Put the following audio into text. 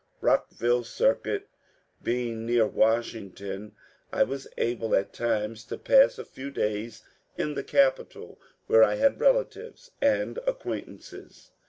Bockville Circuit being near Washington, I was able at times to pass a few days in the capital, where I had relatives and acquaintances.